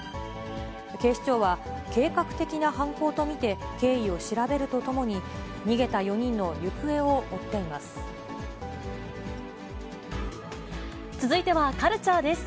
警視庁は、計画的な犯行と見て、経緯を調べるとともに、続いてはカルチャーです。